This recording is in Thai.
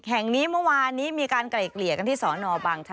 แห่งนี้เมื่อวานนี้มีการไกล่เกลี่ยกันที่สอนอบางทะ